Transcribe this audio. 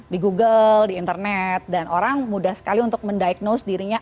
di google di internet dan orang mudah sekali untuk mendiagnose dirinya